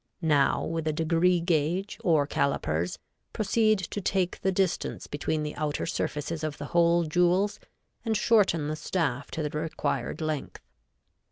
Now with a degree gauge, or calipers, proceed to take the distance between the outer surfaces of the hole jewels and shorten the staff to the required length.